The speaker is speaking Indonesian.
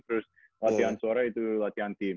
terus latihan sore itu latihan tim